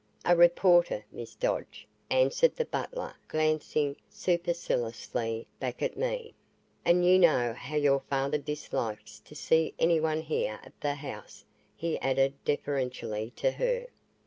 "A reporter, Miss Dodge," answered the butler glancing superciliously back at me, "and you know how your father dislikes to see anyone here at the house," he added deferentially to her.